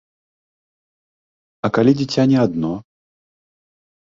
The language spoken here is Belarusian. А калі дзіця не адно?